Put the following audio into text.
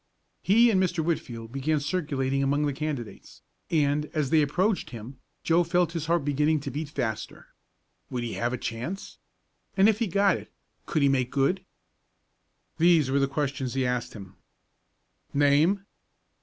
He and Mr. Whitfield began circulating among the candidates, and, as they approached him, Joe felt his heart beginning to beat faster. Would he have a chance? And, if he got it, could he make good? These were the questions he asked him. "Name?"